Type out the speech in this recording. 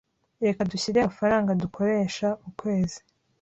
Reka dushyire hamwe amafaranga dukoresha ukwezi.